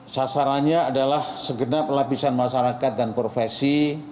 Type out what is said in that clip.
sasarannya adalah segenap lapisan masyarakat dan profesi